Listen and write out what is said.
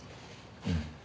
うん。